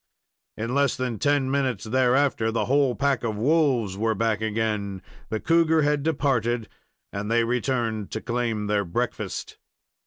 In less than ten minutes thereafter, the whole pack of wolves were back again. The cougar had departed, and they returned to claim their breakfast.